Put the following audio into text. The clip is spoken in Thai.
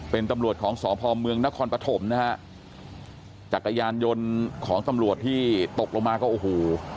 เป็นตำรวจของสพเมืองนครปฐมนะฮะจักรยานยนต์ของตำรวจที่ตกลงมาก็โอ้โห